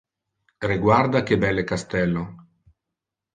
Reguarda que belle castello!